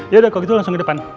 yaudah kalau gitu langsung ke depan